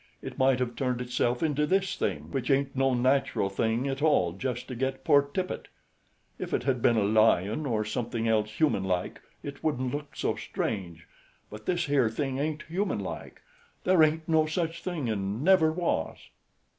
It might have turned itself into this thing, which ain't no natural thing at all, just to get poor Tippet. If it had of been a lion or something else humanlike it wouldn't look so strange; but this here thing ain't humanlike. There ain't no such thing an' never was."